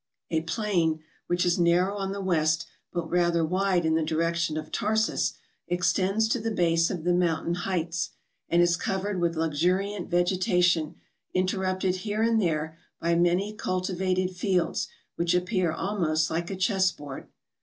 A plain, which is narrow on the west, but rather wide in the direction of Tarsus, extends to the base of the mountain heights, and is covered with luxuriant vegetation interrupted here and there by many cultivated fields which appear almost like a chess board.